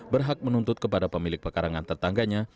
berhak menuntut kepada pemilik pekarangan tetangganya